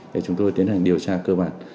để chúng tôi tiến hành điều tra cơ bản